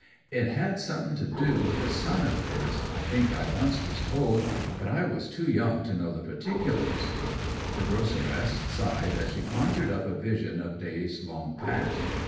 'It had something to do with a son of hers, I think I once was told. But I was too young to know particulars.' The groceress sighed as she conjured up a vision of days long past.